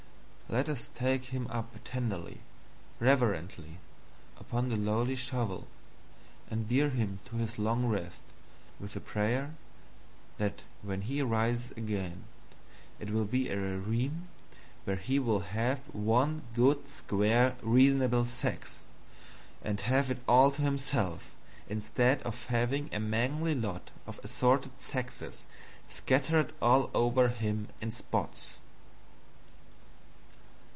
Let us take him up tenderly, reverently, upon the lowly Shovel, and bear him to his long Rest, with the Prayer that when he rises again it will be a Realm where he will have one good square responsible Sex, and have it all to himself, instead of having a mangy lot of assorted Sexes scattered all over him in Spots.